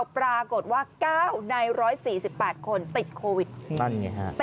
ปรากฏว่า๙ใน๑๔๘คนติดโควิดนั่นอย่างนี้ครับ